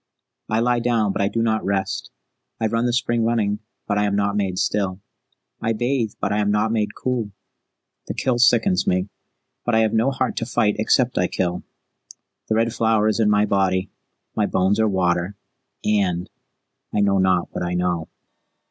I lie down, but I do not rest. I run the spring running, but I am not made still. I bathe, but I am not made cool. The kill sickens me, but I have no heart to fight except I kill. The Red Flower is in my body, my bones are water and I know not what I know."